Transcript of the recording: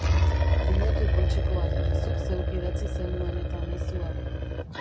Bilatu poltsikoan, zuk zeuk idatzi zenuen-eta mezua.